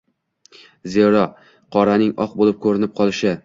Zero, qoraning oq bo‘lib ko‘rinib qolishi